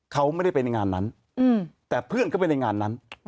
เขาไม่ได้ไปในงานนั้นแต่เพื่อนเข้าไปในงานนั้น